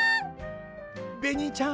ベニーちゃん